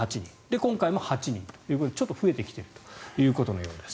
今回も８人ということでちょっと増えてきているということのようです。